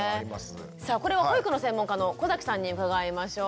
さあこれは保育の専門家の小さんに伺いましょう。